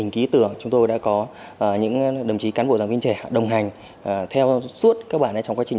là chúng tôi đã có những đồng chí cán bộ giáo viên trẻ đồng hành theo suốt các bạn trong quá trình